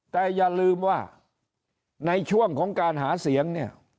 แต่อย่าลืมว่าในช่วงของการหาเสียงเนี่ย